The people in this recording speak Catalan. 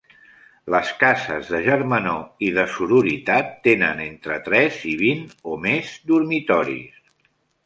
Les cases de germanor i de sororitat tenen entre tres i vint, o més, dormitoris.